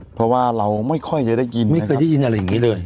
เพราะว่าเราไม่ค่อยจะได้ยินไม่เคยได้ยินอะไรอย่างนี้เลย